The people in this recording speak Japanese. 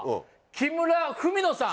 木村文乃さん。